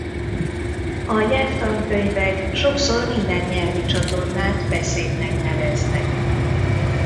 A nyelvtankönyvek sokszor minden nyelvi csatornát beszédnek neveznek.